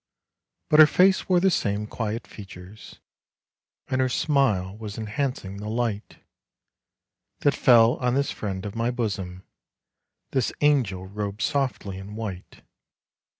But her face wore the same quiet features, And her smile was enhancing the light That fell on this friend of my bosom, This angel robed softly in white.